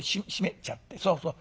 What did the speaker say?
そうそう。